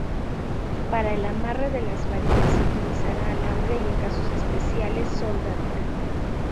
Para el amarre de las varillas se utilizará alambre y en casos especiales soldadura.